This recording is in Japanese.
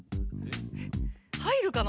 入るかな？